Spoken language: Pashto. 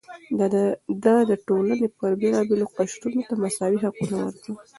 ده د ټولنې بېلابېلو قشرونو ته مساوي حقونه ورکړل.